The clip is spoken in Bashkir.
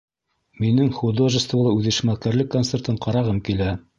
Минең художестволы үҙешмәкәрлек концертын ҡарағым килә.